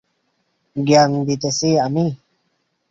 জ্ঞান দিতেছি আমি?